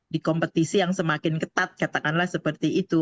di kompetisi yang semakin ketat katakanlah seperti itu